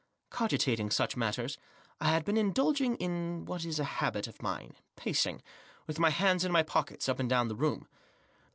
Cogitating such matters, I had been Indulging in what is a habit of mine ; pacing, with my hands in my pockets, up and down the room.